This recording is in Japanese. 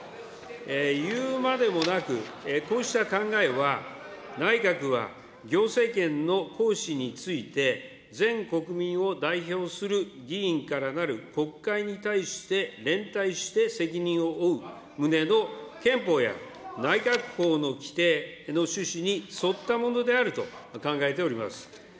言うまでもなく、こうした考えは内閣は行政権の行使について、全国民を代表する議員からなる国会に対して連帯して責任を負う旨の憲法や内閣法の規定の趣旨に沿ったものであると考えております。